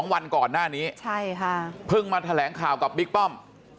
วันก่อนหน้านี้เพิ่งมาแถลงข่าวกับบิ๊กป้อม